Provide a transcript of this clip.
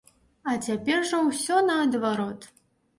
А цяпер жа ўсё наадварот.